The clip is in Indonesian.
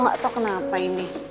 nggak tau kenapa ini